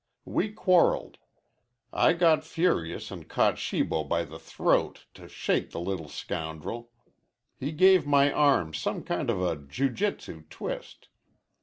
We quarreled. I got furious and caught Shibo by the throat to shake the little scoundrel. He gave my arm some kind of a jiu jitsu twist.